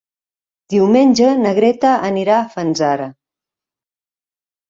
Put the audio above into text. Diumenge na Greta anirà a Fanzara.